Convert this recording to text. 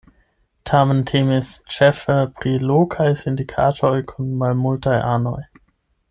Tamen temis ĉefe pri lokaj sindikatoj kun malmultaj anoj.